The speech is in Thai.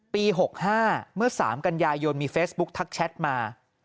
ปี๖๕เมื่อ๓กันยายนมีเฟซบุ๊คทักแชทมา